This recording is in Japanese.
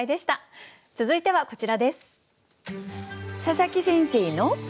続いてはこちらです。